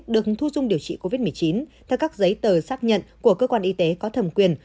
được thu dung điều trị covid một mươi chín theo các giấy tờ xác nhận của cơ quan y tế có thẩm quyền